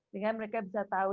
dengan mereka bisa tahu